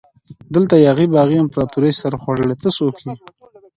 دلته یاغي باغي امپراتوري سرخوړلي ته څوک يي؟